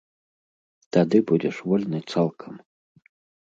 Тады будзеш вольны цалкам!